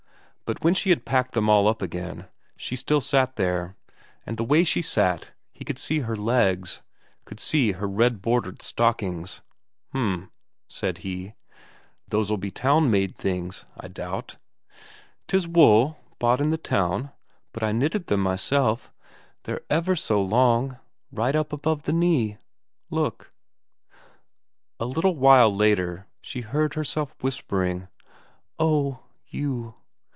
But when she had packed them all up again, she sat there still; and the way she sat, he could see her legs, could see her red bordered stockings. "H'm," said he. "Those'll be town made things, I doubt?" "'Tis wool was bought in the town, but I knitted them myself. They're ever so long right up above the knee look...." A little while after she heard herself whispering: "Oh, you